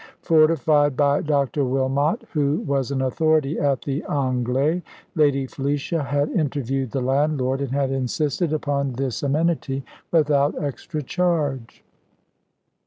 Fortified by Dr. Wilmot, who was an authority at the "Anglais," Lady Felicia had interviewed the landlord, and had insisted upon this amenity without extra charge.